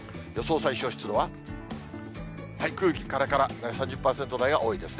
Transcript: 最小湿度は空気からから、３０％台が多いですね。